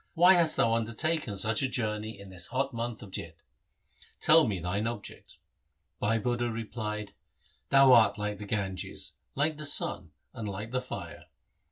Why hast thou undertaken such a journey in this hot month of Jeth ? Tell me thine object.' Bhai Budha replied, 'Thou art like the Ganges, like the sun, and like the fire.